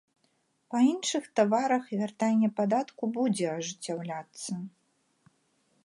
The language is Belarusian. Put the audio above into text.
Па іншых таварах вяртанне падатку будзе ажыццяўляцца.